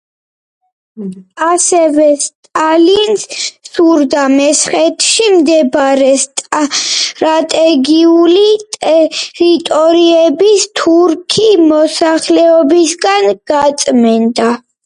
ასევე სტალინს სურდა მესხეთში მდებარე სტრატეგიული ტერიტორიების თურქი მოსახლეობისგან გაწმენდა.